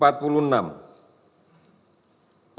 perempuan tiga puluh enam tahun